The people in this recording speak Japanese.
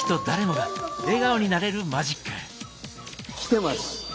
誰もが笑顔になれるマジック！